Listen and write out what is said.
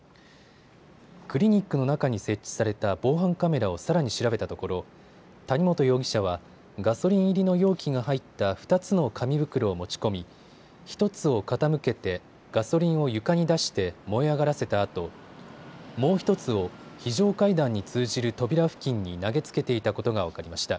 クリニックの中に設置された防犯カメラをさらに調べたところ谷本容疑者はガソリン入りの容器が入った２つの紙袋を持ち込み、１つを傾けてガソリンを床に出して燃え上がらせたあともう１つを非常階段に通じる扉付近に投げつけていたことが分かりました。